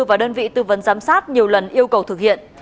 và đơn vị tư vấn giám sát nhiều lần yêu cầu thực hiện